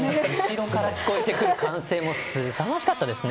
後ろから聞こえてくる歓声すさまじかったですね。